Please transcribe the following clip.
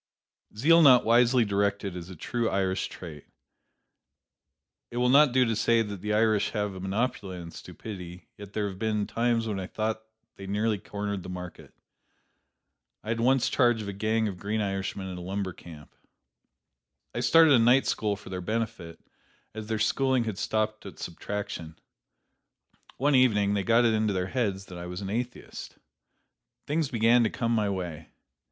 Zeal not wisely directed is a true Irish trait. It will not do to say that the Irish have a monopoly on stupidity, yet there have been times when I thought they nearly cornered the market. I once had charge of a gang of green Irishmen at a lumber camp. I started a night school for their benefit, as their schooling had stopped at subtraction. One evening they got it into their heads that I was an atheist. Things began to come my way.